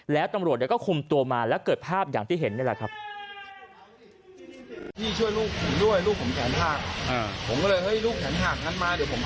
แล้วตำรวจก็คุมตัวมาแล้วเกิดภาพอย่างที่เห็นนี่แหละครับ